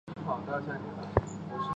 跨洲国家以首都所在洲计算。